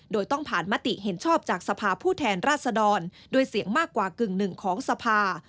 โดยต้องผ่านมติเห็นชอบจากสภาพผู้แทนราชดรด้วยเสียงมากกว่ากึ่งหนึ่งของสภา